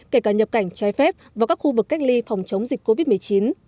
kể cả nhập cảnh trái phép vào các khu vực cách ly phòng chống dịch covid một mươi chín